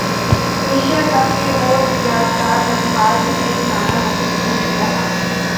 Asia cup کے وہ یادگار لمحات جنہیں بھلانا ممکن نہیں رہا